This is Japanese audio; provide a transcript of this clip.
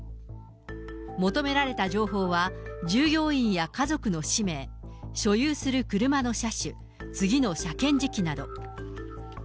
求められた情報は、従業員や家族の氏名、所有する車の車種、次の車検時期など。